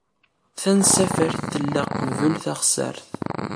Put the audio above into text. Tansafart tella qbel taɣsart.